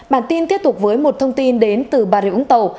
bản tin tiếp tục với một thông tin đến từ bà rịu ứng tàu